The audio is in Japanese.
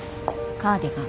カーディガン。